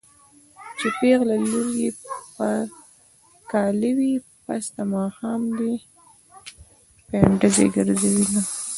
چې پېغله لور يې په کاله وي پس د ماښامه دې پنځډزی ګرځوينه